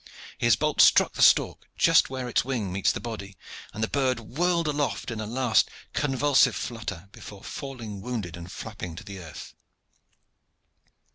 His bolt struck the stork just where its wing meets the body, and the bird whirled aloft in a last convulsive flutter before falling wounded and flapping to the earth.